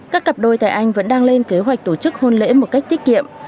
các cặp đôi tại anh vẫn đang lên kế hoạch tổ chức hôn lễ một cách tiết kiệm